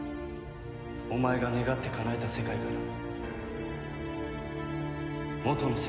お前が願ってかなえた世界から元の世界へな。